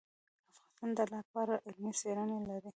افغانستان د لعل په اړه علمي څېړنې لري.